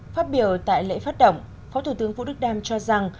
phát biểu tại lễ phát động phó thủ tướng vũ đức đam cho rằng